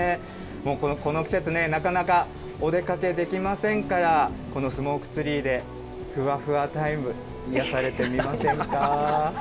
この季節、なかなかお出かけできませんから、このスモークツリーでふわふわタイム、癒やされてみませんか。